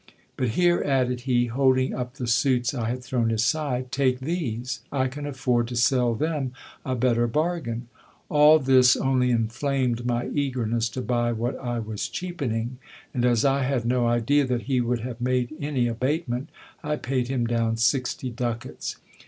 But here, added he, holding up the suits I had thrown aside ; take these : I can afford to sell them a better bargain. All this only inflamed my eagerness to buy what I was cheapening ; and as I had no idea that he would have made any abatement, I paid him down sixty ducats.